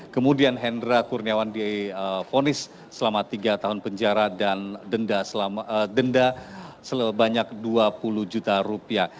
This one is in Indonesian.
kemudian hendra kurniawan difonis selama tiga tahun penjara dan denda sebanyak dua puluh juta rupiah